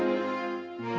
apakah kamu tuh